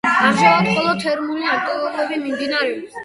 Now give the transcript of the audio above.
ამჟამად მხოლოდ თერმული აქტივობები მიმდინარეობს.